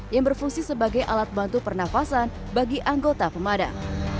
yang berfungsi sebagai alat bantu pernafasan bagi anggota pemadam